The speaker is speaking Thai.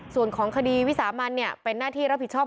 ส่วนของคดีวิสามันเป็นหน้าที่รับผิดชอบ